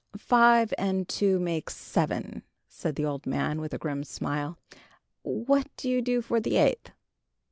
"Five and two make seven," said the old man, with a grim smile; "what do you do for the eighth?"